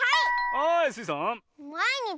はいスイさん。